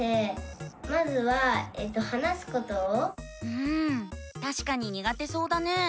うんたしかににがてそうだね。